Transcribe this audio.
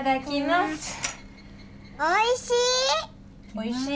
おいしい！